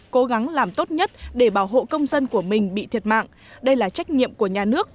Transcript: cố gắng làm tốt nhất để bảo hộ công dân của mình bị thiệt mạng đây là trách nhiệm của nhà nước